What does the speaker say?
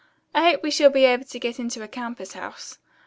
I hope we shall be able to get into a campus house.